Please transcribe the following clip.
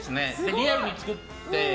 リアルに作って。